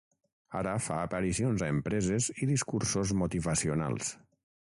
Ara fa aparicions a empreses i discursos motivacionals.